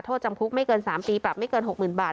โทษจำคุกไม่เกิน๓ปีปรับไม่เกิน๖๐๐๐บาท